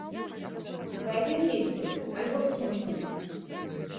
Вы адзін ездзілі альбо з кімсьці?